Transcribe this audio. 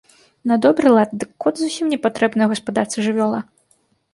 На добры лад, дык кот зусім непатрэбная ў гаспадарцы жывёла.